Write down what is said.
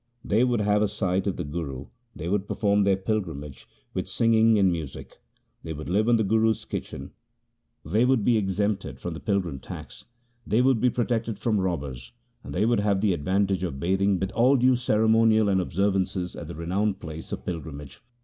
They would have a sight of the Guru, they would perform their pilgrimage with singing and music, they would live on the Guru's kitchen, they would be exempted from the pilgrim tax, they would be protected from robbers, and they would have the advantage of bathing with all due cere monial and observances at the renowned place of pilgrimage.